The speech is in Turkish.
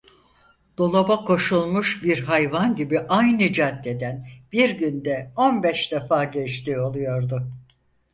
Dolaba koşulmuş bir hayvan gibi aynı caddeden bir günde on beş defa geçtiği oluyordu.